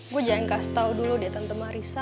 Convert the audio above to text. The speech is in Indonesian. gue jangan kasih tau dulu deh tante marissa